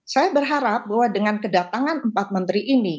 saya berharap bahwa dengan kedatangan empat menteri ini